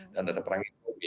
dan ada perang ekonomi